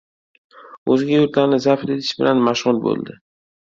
O‘zga yurtlarni zabt etish bilan mashg‘ul bo‘ldi.